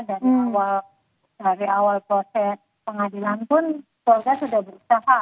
dari awal proses pengadilan pun keluarga sudah berusaha